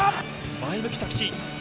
前向き着地。